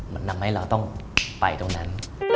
มันทำให้เราต้องไปตรงนั้น